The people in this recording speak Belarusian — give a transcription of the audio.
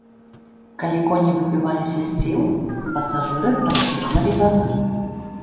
Калі коні выбіваліся з сіл, пасажыры падпіхвалі вазы.